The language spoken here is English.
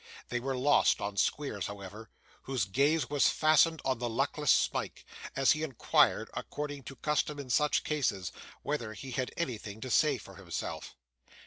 They were lost on Squeers, however, whose gaze was fastened on the luckless Smike, as he inquired, according to custom in such cases, whether he had anything to say for himself.